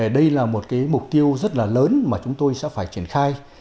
đây là một mục tiêu rất lớn mà chúng tôi sẽ phải triển khai